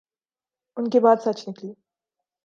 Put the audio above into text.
ان کی بات سچ نکلی۔